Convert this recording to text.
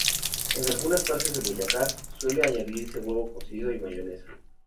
En algunas partes de Boyacá suele añadirse huevo cocido y mayonesa.